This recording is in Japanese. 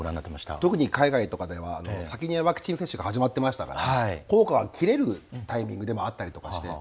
特に海外とかでは先にワクチン接種が始まっていましたから効果が切れるタイミングでもあったりして。